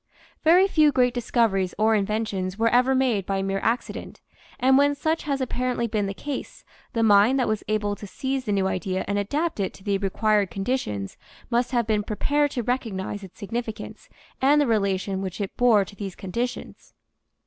Very few great discoveries or inventions were ever made by mere accident and when such has apparently been the case, the mind that was able to seize the new idea and adapt it to the required conditions must have been prepared to recognize its significance and the relation which it bore to these conditions.